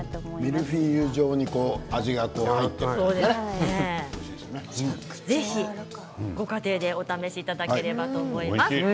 ミルフィーユ状にぜひご家庭でお試しいただければと思います。